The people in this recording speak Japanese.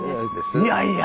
いやいや！